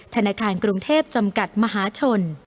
ธนาคารกรุงเทพจำกัดมหาชน